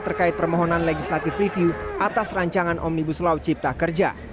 terkait permohonan legislative review atas rancangan omnibus law cipta kerja